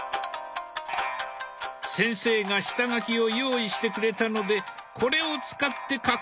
先生が下書きを用意してくれたのでこれを使って描こう。